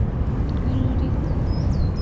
Khanauri